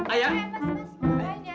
ayah ayah ayah